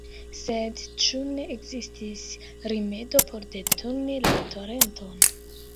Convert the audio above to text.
Sed ĉu ne ekzistis rimedo por deturni la torenton?